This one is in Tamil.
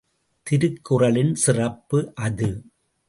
திருக்குறளின் சிறப்பு அது.